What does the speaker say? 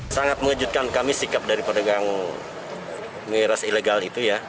sangat mengejutkan kami sikap dari pedagang miras ilegal itu ya